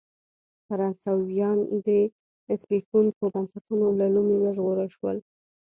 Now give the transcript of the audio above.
فرانسویان د زبېښونکو بنسټونو له لومې وژغورل شول.